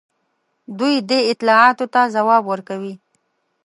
دوی دې اطلاعاتو ته ځواب ورکوي.